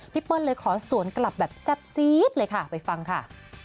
เปิ้ลเลยขอสวนกลับแบบแซ่บซีดเลยค่ะไปฟังค่ะ